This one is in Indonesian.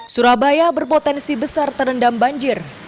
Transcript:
surabaya berpotensi besar terendam banjir